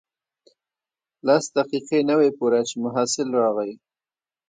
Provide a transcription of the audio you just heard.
لس دقیقې نه وې پوره چې محصل راغی.